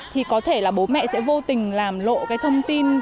thì có thể là bố mẹ sẽ vô tình làm lộ cái thông tin